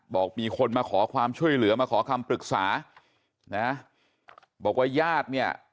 บอกมีคนมาขอความช่วยเหลือมาขอคำปรึกษานะบอกว่าญาติเนี่ย